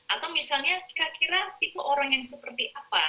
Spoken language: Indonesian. atau misalnya kira kira tipe orang yang seperti apa